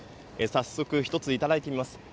早速１つ、いただいています。